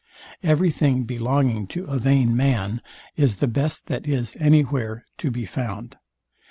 Every thing belonging to a vain man is the best that is anywhere to be found.